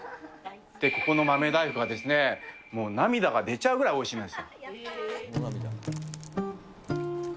ここの豆大福は、もう涙が出ちゃうぐらいおいしいんですよ。